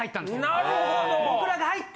なるほど！